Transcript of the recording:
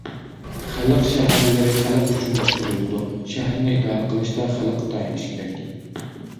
خەلق شەھەرلىرى خەلق ئۈچۈن باشقۇرۇلىدۇ، شەھەرنى ئىدارە قىلىشتا خەلققە تايىنىش كېرەك.